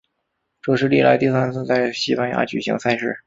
这是历来第三次在西班牙举行赛事。